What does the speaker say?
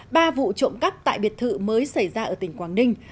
ba vụ trộm cắp tại biệt thự mới xảy ra ở tỉnh quảng ninh